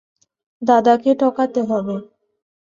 দাদাকে ঠকাতে হবে।